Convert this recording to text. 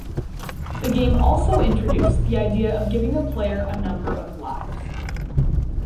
The game also introduced the idea of giving the player a number of "lives".